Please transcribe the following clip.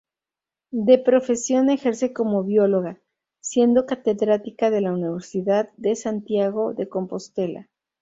De profesión ejerce como bióloga, siendo catedrática en la Universidad de Santiago de Compostela.